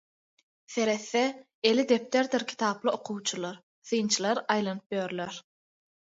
Seretse eli depderdir kitaply okuwçylar, synçylar aýlanyp ýörler.